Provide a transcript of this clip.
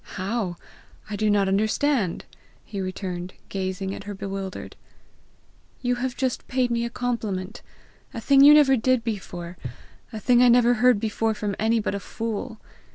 "How? I do not understand!" he returned, gazing at her bewildered. "You have just paid me a compliment a thing you never did before a thing I never heard before from any but a fool!